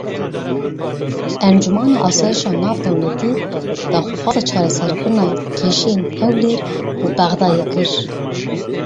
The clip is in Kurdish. Encûmena Asayişa Navdewletî daxwaza çareserkirina kêşeyên Hewlêr û Bexdayê kir.